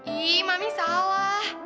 ih mami salah